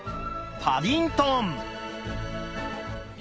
パディントンよ。